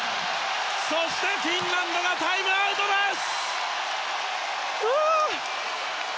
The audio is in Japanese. そして、フィンランドがタイムアウトです。